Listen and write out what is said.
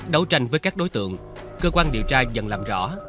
đấu tranh với các đối tượng cơ quan điều tra dần làm rõ